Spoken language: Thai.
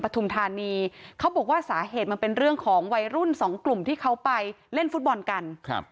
ทุมธานีเขาบอกว่าสาเหตุมันเป็นเรื่องของวัยรุ่นสองกลุ่มที่เขาไปเล่นฟุตบอลกันครับ